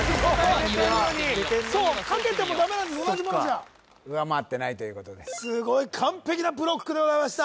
同じ答え出てるのにそう書けてもダメなんです同じものじゃ上回ってないということですごい完璧なブロックでございました